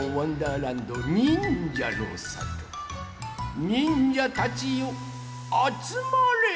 らんどにんじゃのさと。にんじゃたちよあつまれ！